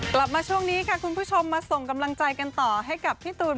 กลับมาช่วงนี้ค่ะคุณผู้ชมมาส่งกำลังใจกันต่อให้กับพี่ตูน